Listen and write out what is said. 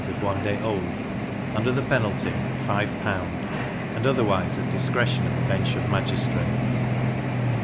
if one day old, under the penalty of 5L. and otherwise at discretion of a bench of magistrates.